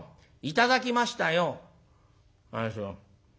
「頂きましたよ」。